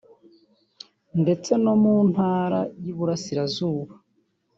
ndetse no mu ntara y’uburasirazuba